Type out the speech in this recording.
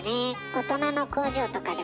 大人の工場とかでもさ